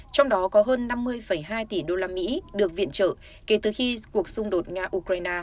trong đó có hơn năm mươi hai tỷ đô la mỹ được viện trợ kể từ khi cuộc xung đột nga ukraine